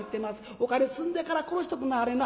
お金積んでから殺しとくんなはれな。